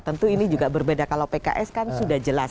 tentu ini juga berbeda kalau pks kan sudah jelas